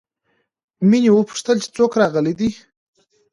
مينې وپوښتل چې څوک راغلي دي